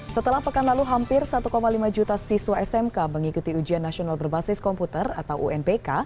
setelah pekan lalu hampir satu lima juta siswa smk mengikuti ujian nasional berbasis komputer atau unbk